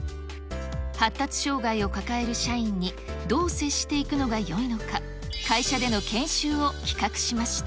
発達障害を抱える社員にどう接していくのがよいのか、会社での研修を企画しました。